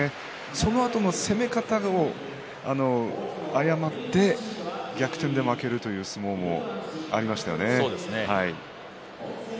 そのあとの攻め方を誤って逆転で負ける相撲もありましたね。